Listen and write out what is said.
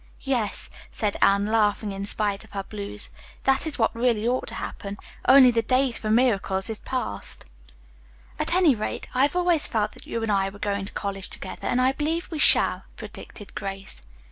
"Yes," said Anne, laughing in spite of her blues. "That is what really ought to happen, only the day for miracles is past." "At any rate, I have always felt that you and I were going to college together, and I believe we shall," predicted Grace.